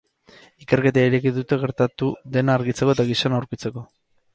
Ikerketa ireki dute gertatu dena argitzeko eta gizona aurkitzeko.